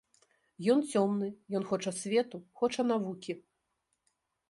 Ён цёмны, ён хоча свету, хоча навукі.